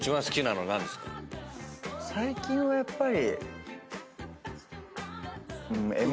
最近はやっぱり。